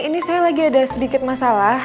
ini saya lagi ada sedikit masalah